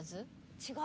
違う？